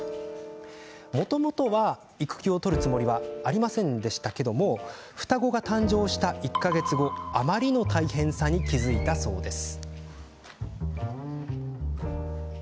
もともとは育休を取るつもりはありませんでしたが双子が誕生した１か月後あまりの大変さに気付いたそうです。